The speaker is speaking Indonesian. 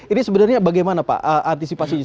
ini sebenarnya bagaimana pak